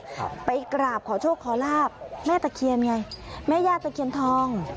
ครับไปกราบขอโชคขอลาบแม่ตะเคียนไงแม่ย่าตะเคียนทอง